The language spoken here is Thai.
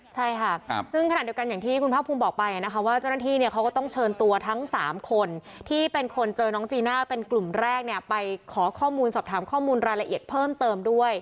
ใช่ค่ะซึ่งขณะเดียวกันอย่างที่คุณภาคภูมิบอกไปนะคะว่าเจ้าหน้าที่เนี่ยเขาก็ต้องเชิญตัวทั้ง๓คนที่เป็นคนเจอน้องจีน่าเป็นกลุ่มแรกเนี่ยไปขอข้อมูลสอบถามข้อมูลรายละเอียดเพิ่มเติมด้วย